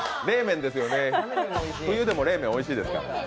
冷麺ですよね、冬でも冷麺おいしいですから。